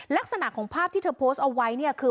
ลักษณะของภาพที่เธอโพสต์เอาไว้เนี่ยคือ